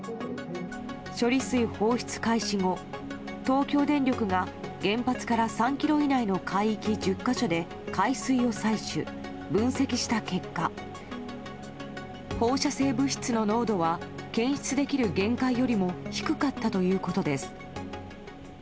処理水放出開始後、東京電力が原発から３キロ以内の海域１０か所で海水を採取・分析した結果、放射性物質の濃度は検出できる限界よりも低かったということです。